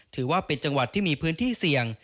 ถือว่าเป็นจังหวัดที่มีพื้นที่เสี่ยง